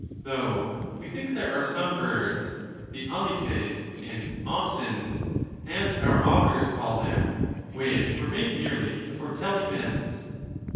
Though we think there are some birds — the alites and oscines,' as our augurs call them — which were made merely to foretell events.